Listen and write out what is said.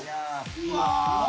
うわ！